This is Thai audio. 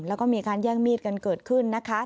แล้วก็มีการแย่งมีดกันเกิดขึ้นนะคะ